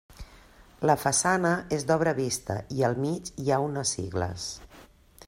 La façana és d'obra vista, i al mig hi ha unes sigles.